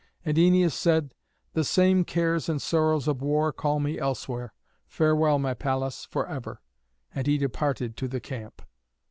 And Æneas said, "The same cares and sorrows of war call me elsewhere. Farewell, my Pallas, for ever!" And he departed to the camp.